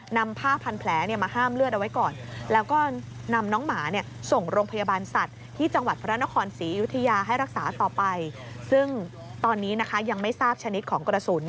นำผ้าพันแผลเนี่ยมาห้ามเลือดเอาไว้ก่อน